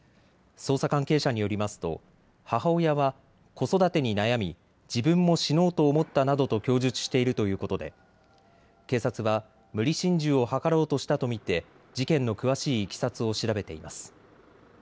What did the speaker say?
捜査関係者によりますと母親は子育てに悩み、自分も死のうと思ったなどと供述しているということで警察は無理心中を図ろうとしたと見て事件の詳しいいきさつを調べています。